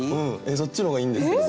そっちの方がいいんですけど僕。